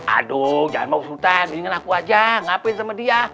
aduh jangan mau hutan iniin aku aja ngapain sama dia